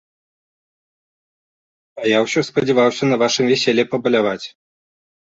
А я ўсё спадзяваўся на вашым вяселлі пабаляваць.